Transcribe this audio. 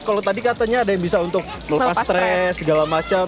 kalau tadi katanya ada yang bisa untuk lepas stres segala macam